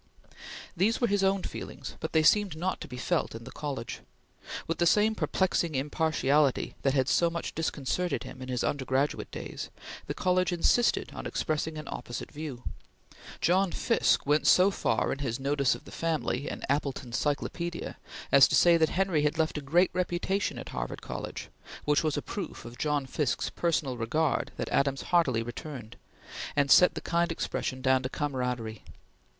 These were his own feelings, but they seemed not to be felt in the college. With the same perplexing impartiality that had so much disconcerted him in his undergraduate days, the college insisted on expressing an opposite view. John Fiske went so far in his notice of the family in "Appleton's Cyclopedia," as to say that Henry had left a great reputation at Harvard College; which was a proof of John Fiske's personal regard that Adams heartily returned; and set the kind expression down to camaraderie.